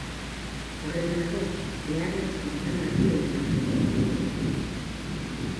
Horretarako, beharrezkoa da nazioen arteko lankidetza.